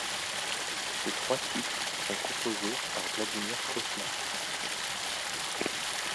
Ces trois titres sont composés par Vladimir Cosma.